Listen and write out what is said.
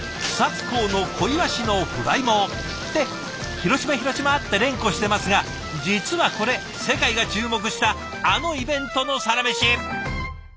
広島広島って連呼してますが実はこれ世界が注目したあのイベントのサラメシ。